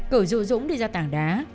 cửu dụ dũng đi ra tảng đá